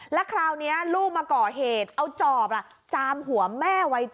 แล้วคราวนี้ลูกมาก่อเหตุเอาจอบจามหัวแม่วัย๗